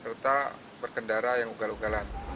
serta berkendara yang ugal ugalan